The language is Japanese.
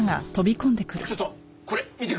ちょっとこれ見てくれ！